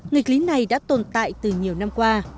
nghịch lý này đã tồn tại từ nhiều năm qua